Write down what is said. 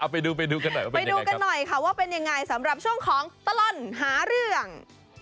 ไปดูกันหน่อยนะคะว่าเป็นยังไงสำหรับช่วงของตลอดหาเรื่อง